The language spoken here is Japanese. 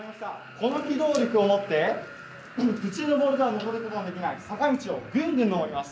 この機動力をもって普通のボールが上ることのできない坂道をぐんぐん上ります。